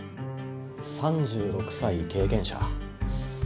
３６歳経験者。